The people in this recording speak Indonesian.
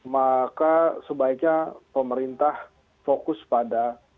maka sebaiknya pemerintah fokus pada